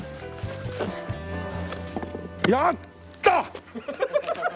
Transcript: やった！